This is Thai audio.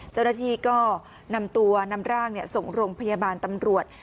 เจ้าหน้าที่ก็นำตัวนำร่างส่งโรงพยาบาลตำรวจ